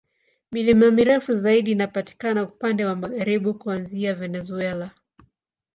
Milima mirefu zaidi inapatikana upande wa magharibi, kuanzia Venezuela.